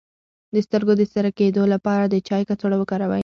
د سترګو د سره کیدو لپاره د چای کڅوړه وکاروئ